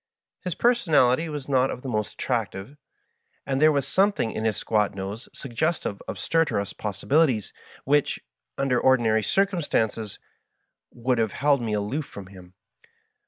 His personality was not of the most attractive, and there was something in his squat nose suggestive of stertorous pos sibilities which, under ordinary circumstances, would Digitized by VjOOQIC MY FASGINATINa FRIEND. 143 have held me aloof from him.